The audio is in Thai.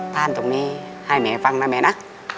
ต้านตรงนี้ให้เหมียฟังนะเหมียนะ